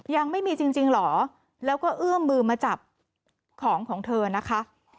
ยังไม่มีจริงเหรอแล้วก็เอื้อมมือมาจับของของเธอนะคะ